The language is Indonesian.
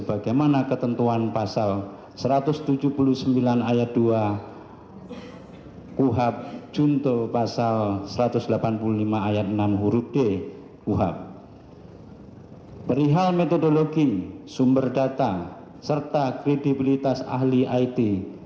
berihal metodologi sumber data serta kredibilitas ahli it